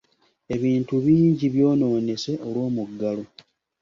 Ebintu bingi byonoonese olw’omuggalo.